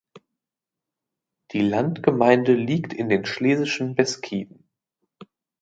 Die Landgemeinde liegt in den Schlesischen Beskiden.